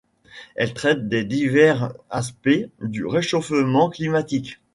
Elle traite des divers aspects du réchauffement climatique.